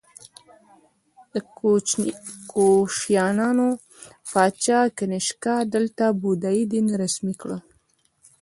د کوشانیانو پاچا کنیشکا دلته بودايي دین رسمي کړ